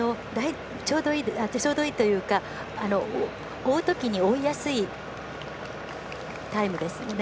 ちょうどいいというか追うときに追いやすいタイムですよね。